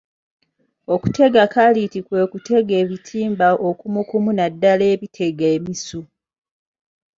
Okutega kaliiti kwe kutega ebitimba okumukumu naddala ebitega emisu